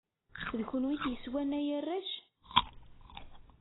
D kunwi i t-yeswan ay arrac?